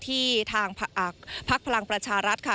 ที่ทางพักพลังประชารัฐค่ะ